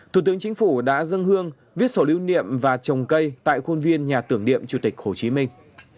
thủ tướng chính phủ đã dâng hương viết sổ lưu niệm và trồng cây tại khuôn viên nhà tưởng niệm chủ tịch hồ chí minh